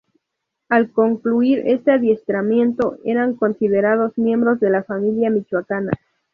Al concluir este adiestramiento eran considerados miembros de La Familia Michoacana.